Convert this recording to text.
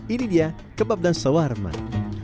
ini dia kebab dan sawah remak